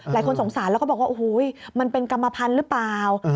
หลายคนสงสารแล้วก็บอกว่าโอ้โหมันเป็นกรรมพันธุ์หรือเปล่า